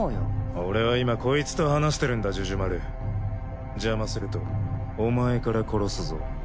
俺は今コイツと話してるんだジュジュマル邪魔するとお前から殺すぞ。